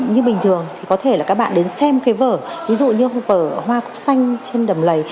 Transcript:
như bình thường thì có thể là các bạn đến xem cái vở ví dụ như vở hoa cúc xanh trên đầm lầy